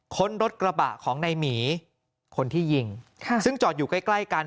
ค้นรถกระบะของในหมีคนที่ยิงซึ่งจอดอยู่ใกล้ใกล้กัน